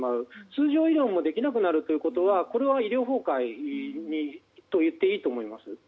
通常医療もできなくなることは医療崩壊といっていいと思います。